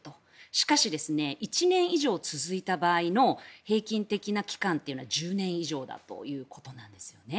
しかし、１年以上続いた場合の平均的な期間というのは１０年以上ということなんですね。